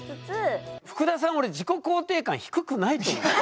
ふくださん俺自己肯定感低くないと思う。